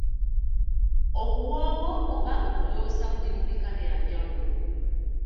Obuwoowo oba obuloosa buli mu bika byanjawulo.